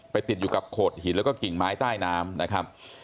ติดอยู่กับโขดหินแล้วก็กิ่งไม้ใต้น้ำนะครับ